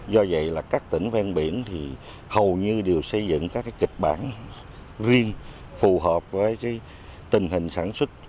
do vậy là các tỉnh ven biển thì hầu như đều xây dựng các kịch bản riêng phù hợp với tình hình sản xuất